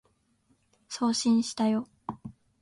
送信したよ